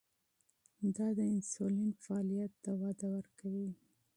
دا د انسولین فعالیت ته وده ورکوي.